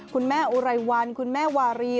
คุณแม่อุรัยวัลคุณแม่วารี